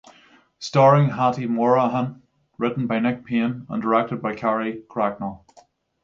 Starring Hattie Morahan, written by Nick Payne and directed by Carrie Cracknell.